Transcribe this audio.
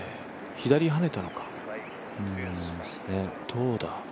左にはねたのか、どうだ？